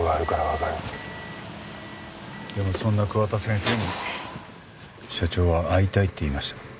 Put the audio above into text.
でもそんな桑田先生に社長は会いたいって言いました。